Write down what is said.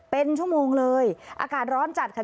เป็นชั่วโมงเลยอากาศร้อนจัดค่ะ